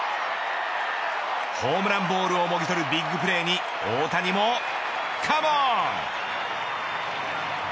ホームランボールをもぎ取るビッグプレーに大谷もカモーン。